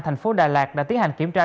thành phố đà lạt đã tiến hành kiểm tra